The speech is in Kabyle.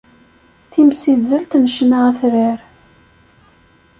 Timsizzelt n ccna atrar.